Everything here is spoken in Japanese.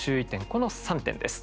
この３点です。